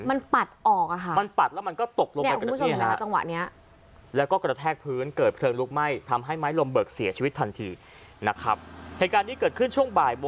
มันปัดออกค่ะเนี่ยคุณผู้ชมเห็นไหมจังหวะนี้มันปัดแล้วก็ตกลงไป